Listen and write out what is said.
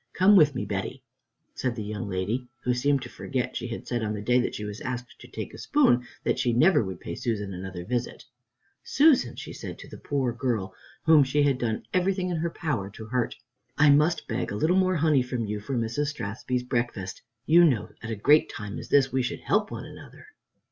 Come with me, Betty," said the young lady, who seemed to forget she had said, on the day that she was asked to "take a spoon," that she never would pay Susan another visit. "Susan," she said to the poor girl whom she had done everything in her power to hurt, "I must beg a little more honey from you for Mrs. Strathspey's breakfast. You know, at a great time such as this, we should help one another."